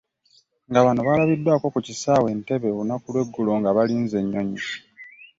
Nga bano balabiddwako ku kisaawe e Ntebe olunaku lw'eggulo nga balinze ennyonyi.